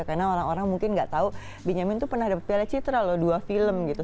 karena orang orang mungkin gak tau benjamin tuh pernah dapet piala citra loh dua film gitu